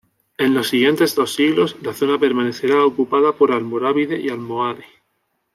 En los dos siguientes siglos la zona permanecerá ocupada por almorávide y almohade.